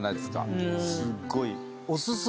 すっごい。